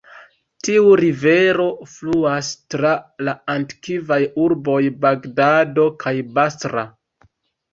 Tiu rivero fluas tra la antikvaj urboj Bagdado kaj Basra.